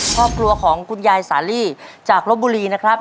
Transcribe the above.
ครอบครัวของคุณยายสาลีจากลบบุรีนะครับ